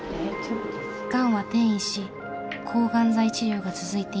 ガンは転移し抗ガン剤治療が続いています。